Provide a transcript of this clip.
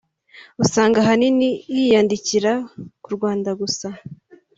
usanga ahanini yiyandikira ku Rwanda gusa